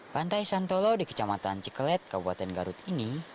pantai santolo di kecamatan cikelet kabupaten garut ini